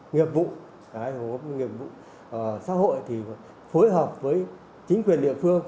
nghiệp vụ nghiệp vụ xã hội thì phối hợp với chính quyền địa phương